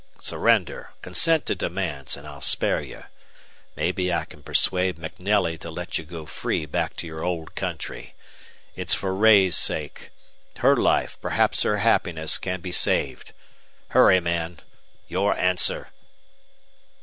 Surrender. Consent to demands, and I'll spare you. Maybe I can persuade MacNelly to let you go free back to your old country. It's for Ray's sake! Her life, perhaps her happiness, can be saved! Hurry, man! Your answer!"